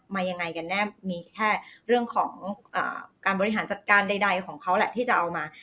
ยังไงกันแน่มีแค่เรื่องของการบริหารจัดการใดของเขาแหละที่จะเอามา